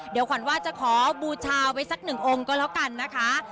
เดี๋ยวขวัญว่าจะขอบูชาไว้สักหนึ่งองค์ก็แล้วกันนะคะ